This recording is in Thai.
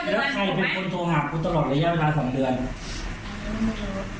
แล้วใครเป็นคนโทรหาคุณตลอดระยะเวลา๒เดือน